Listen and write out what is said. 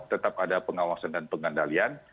tetap ada pengawasan dan pengendalian